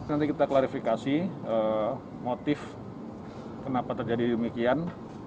nanti kita klarifikasi motif kenapa terjadi demikian